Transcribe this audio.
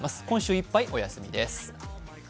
今週いっぱい、お休みです。